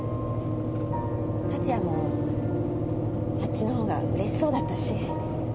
達也もあっちのほうがうれしそうだったし。